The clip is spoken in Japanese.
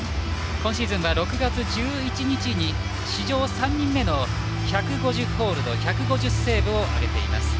今シーズンは６月１１日に史上３人目の１５０ホールド１５０セーブを挙げています。